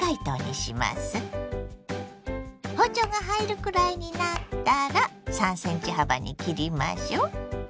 包丁が入るくらいになったら３ｃｍ幅に切りましょ。